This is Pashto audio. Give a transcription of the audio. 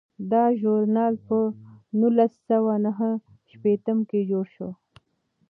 دا ژورنال په نولس سوه نهه شپیته کې جوړ شو.